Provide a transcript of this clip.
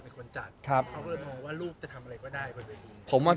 เป็นคนจัดเขาก็จะบอกว่าภูมิความทำอะไรเราไม่ได้